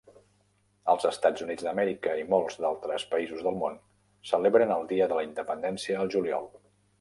Els Estats Units d'Amèrica i molts d'altres països del món celebren el dia de la independència al juliol.